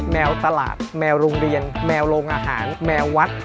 แมวตลาดแมวโรงเรียนแมวโรงอาหารแมววัด